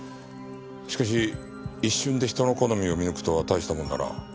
しかし一瞬で人の好みを見抜くとは大したもんだな。